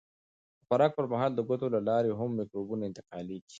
د خوراک پر مهال د ګوتو له لارې هم مکروبونه انتقالېږي.